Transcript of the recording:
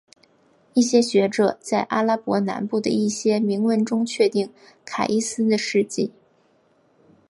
一些学者在阿拉伯南部的一些铭文中确定卡伊斯的事迹。